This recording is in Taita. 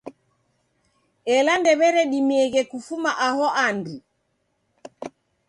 Ela ndew'eredimieghe kufuma aho andu.